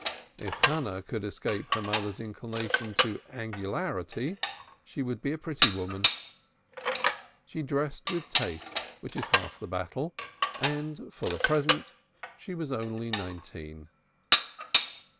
If Hannah could escape her mother's inclination to angularity she would be a pretty woman. She dressed with taste, which is half the battle, and for the present she was only nineteen.